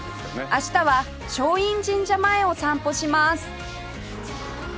明日は松陰神社前を散歩します